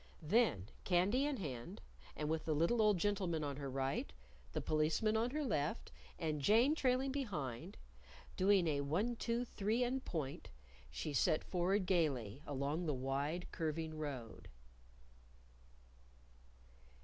Then, candy in hand, and with the little old gentleman on her right, the Policeman on her left, and Jane trailing behind, doing a one two three and point, she set forward gayly along the wide, curving road.